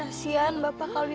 masa ibu akan negara neghari